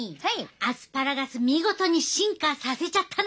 アスパラガス見事に進化させちゃったな！